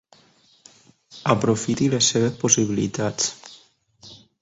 Aprofiti les seves possibilitats.